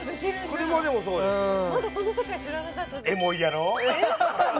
車でもそうですよ